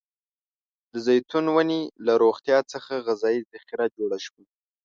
د زیتون ونې له روغتيا څخه غذايي ذخیره جوړه شوه.